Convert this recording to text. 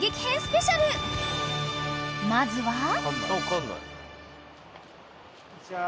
［まずは］